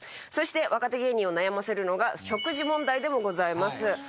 そして若手芸人を悩ませるのが食事問題でもございます。